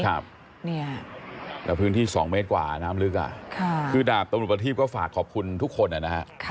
แต่พื้นที่๒เมตรกว่าน้ำลึกคือดาบตำรวจประทีพก็ฝากขอบคุณทุกคนนะฮะ